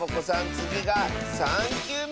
つぎが３きゅうめ！